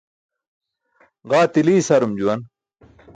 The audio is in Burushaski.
Ġaa tili isarum juwan